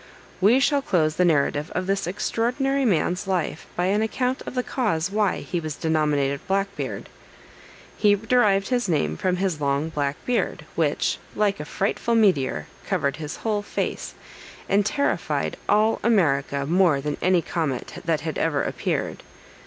We shall close the narrative of this extraordinary man's life by an account of the cause why he was denominated Black Beard. He derived this name from his long black beard, which, like a frightful meteor, covered his whole face, and terrified all America more than any comet that had ever appeared.